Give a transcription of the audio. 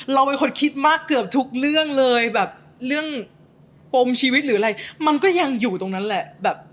เราเป็นคนคิดมากเกือบทุกเรื่องเลยแบบเรื่องปมชีวิตหรืออะไรมันก็ยังอยู่ตรงนั้นแหละแบบ